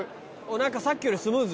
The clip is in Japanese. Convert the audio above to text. なんかさっきよりスムーズ！